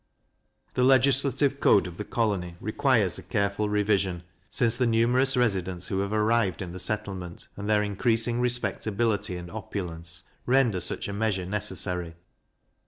The legislative code of the colony requires a careful revision, since the numerous residents who have arrived in the settlement, and their increasing respectability and opulence, render such a measure necessary.